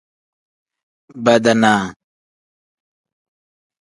Badaanaa.